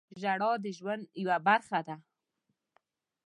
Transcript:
• ژړا د ژوند یوه برخه ده.